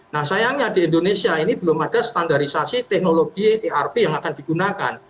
nah sayangnya di indonesia ini belum ada standarisasi teknologi erp yang akan digunakan